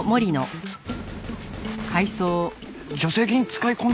助成金使い込ん